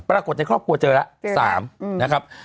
ปรากฏในครอบครัวเจอแล้ว๓นะครับ